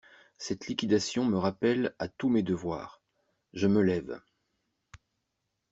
Cette liquidation me rappelle à tous mes devoirs… je me lève…